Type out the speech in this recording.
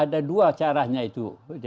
ada dua caranya itu